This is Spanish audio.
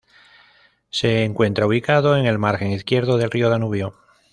Se encuentra ubicado en el margen izquierdo del río Danubio.